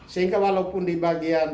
sehingga walaupun di bagian